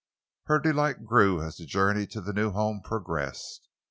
Her delight grew as the journey to the new home progressed.